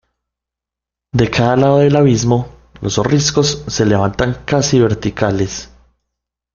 De cada lado del abismo, los riscos se levantan casi verticales.